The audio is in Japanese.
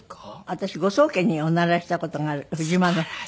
私ご宗家にお習いした事がある藤間の。